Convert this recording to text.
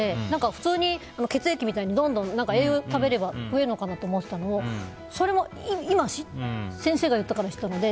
普通に血液みたいにどんどん栄養を食べれば増えると思ってたのをそれも今、先生が言ったから知ったので。